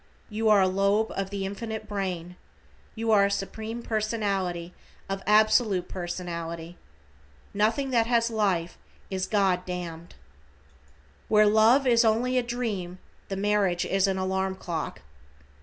You are a lobe of the Infinite Brain. You are a Supreme Personality of Absolute Personality. Nothing that has life is God damned. Where love is only a dream, the marriage is an alarm clock.